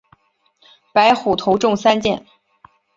白虎头中三箭。